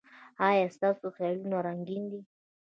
ایا ستاسو خیالونه رنګین دي؟